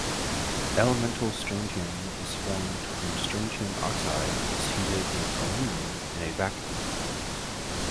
Elemental strontium is formed when strontium oxide is heated with aluminium in a vacuum.